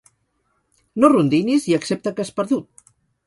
No rondinis i accepta que has perdut.